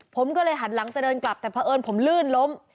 ผมก็เลยหันหลังจะเดินกลับแต่เพราะเอิญผมลื่นล้ม